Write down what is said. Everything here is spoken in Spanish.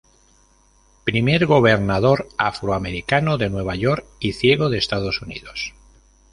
Primer gobernador afroamericano de Nueva York y ciego de Estados Unidos.